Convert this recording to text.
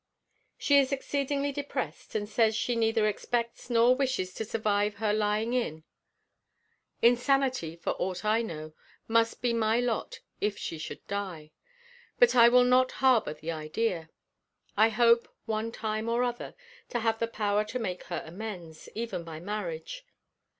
She is exceedingly depressed, and says she neither expects nor wishes to survive her lying in. Insanity, for aught I know, must be my lot if she should die. But I will not harbor the idea. I hope, one time or other, to have the power to make her amends, even by marriage.